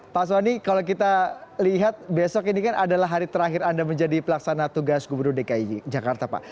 pak soni kalau kita lihat besok ini kan adalah hari terakhir anda menjadi pelaksana tugas gubernur dki jakarta pak